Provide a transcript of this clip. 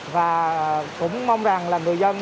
và cũng mong rằng là người dân